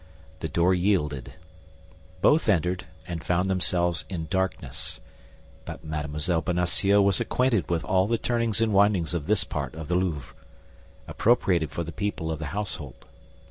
The door yielded. Both entered, and found themselves in darkness; but Mme. Bonacieux was acquainted with all the turnings and windings of this part of the Louvre, appropriated for the people of the household.